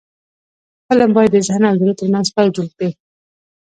فلم باید د ذهن او زړه ترمنځ پل جوړ کړي